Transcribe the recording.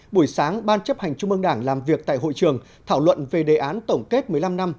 buổi sáng ban chấp hành trung mương đảng làm việc tại hội trường thảo luận về đề án tổng kết một mươi năm năm